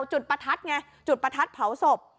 ประทัดไงจุดประทัดเผาศพ